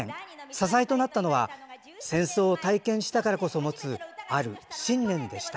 支えとなったのは、戦争を体験したからこそ持つ、ある信念でした。